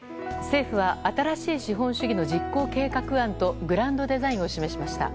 政府は新しい資本主義の実行計画案とグランドデザインを示しました。